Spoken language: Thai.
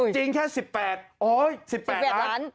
จริงแค่๑๘ล้าน